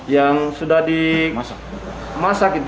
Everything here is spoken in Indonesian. yang sudah dimasak